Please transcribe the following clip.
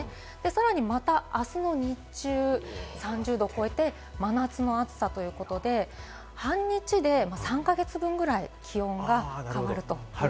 さらに、また明日の日中、３０度を超えて真夏の暑さということで半日で３か月分くらい、気温が変わるということです。